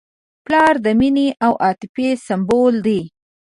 پلار د مینې او عاطفې سمبول دی.